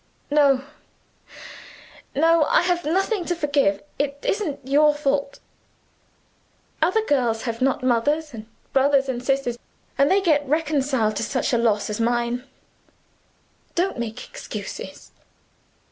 "No no; I have nothing to forgive. It isn't your fault. Other girls have not mothers and brothers and sisters and get reconciled to such a loss as mine. Don't make excuses."